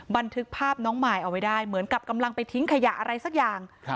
บันทึกภาพน้องมายเอาไว้ได้เหมือนกับกำลังไปทิ้งขยะอะไรสักอย่าง